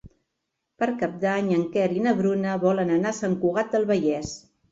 Per Cap d'Any en Quer i na Bruna volen anar a Sant Cugat del Vallès.